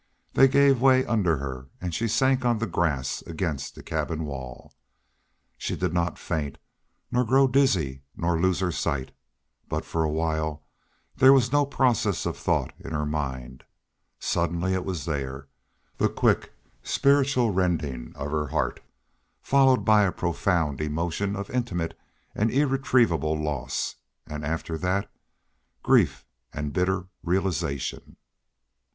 They gave way under her and she sank on the grass against the cabin wall. She did not faint nor grow dizzy nor lose her sight, but for a while there was no process of thought in her mind. Suddenly then it was there the quick, spiritual rending of her heart followed by a profound emotion of intimate and irretrievable loss and after that grief and bitter realization.